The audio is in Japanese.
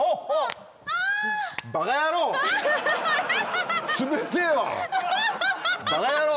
バカ野郎！